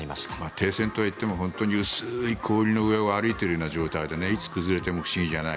停戦といっても本当に薄い氷の上を歩いているような状態でいつ崩れても不思議じゃない。